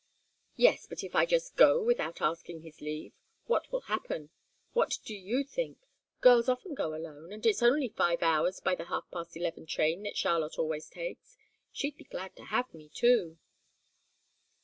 "Yes but if I just go without asking his leave? What will happen? What do you think? Girls often go alone, and it's only five hours by the half past eleven train that Charlotte always takes. She'd be glad to have me, too."